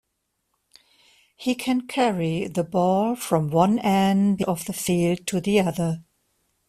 He can carry the ball from one end of the field to the other.